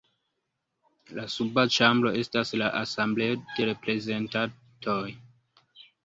La suba ĉambro estas la Asembleo de Reprezentantoj.